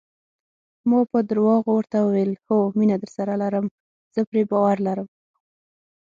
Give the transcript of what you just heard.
ما په درواغو ورته وویل: هو، مینه درسره لرم، زه پرې باور لرم.